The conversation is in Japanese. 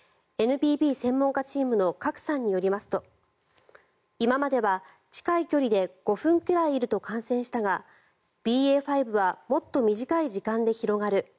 ＮＰＢ専門家チームの賀来さんによりますと今までは近い距離で５分くらいいると感染したがＢＡ．５はもっと短い時間で広がる。